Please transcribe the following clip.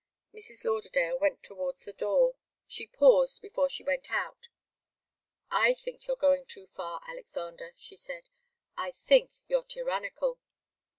Mrs. Lauderdale went towards the door. She paused before she went out. "I think you're going too far, Alexander," she said. "I think you're tyrannical."